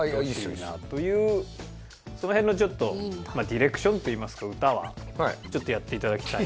その辺のちょっとディレクションといいますか歌はちょっとやって頂きたいなと。